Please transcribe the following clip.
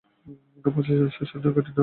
প্রশাসনে সুশাসনের ঘাটতির নানা কারণ আছে।